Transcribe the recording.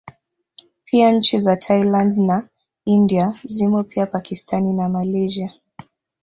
Pia nchi za Thailand na India zimo pia Pakistani na Malaysia